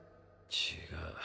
違う。